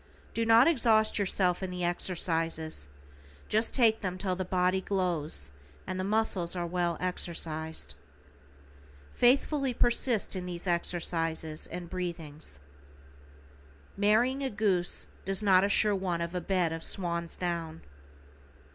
Do not exhaust yourself in the exercises, just take them till the body glows and the muscles are well exercised. Faithfully persist in these exercises and breathings. Marrying a goose does not assure one of a bed of swans down.